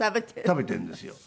食べているんですよ。